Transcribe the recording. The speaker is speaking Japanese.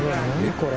これ。